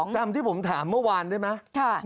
จำที่ผมถามเมื่อวานได้ไหม